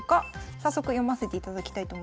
早速読ませていただきたいと思います。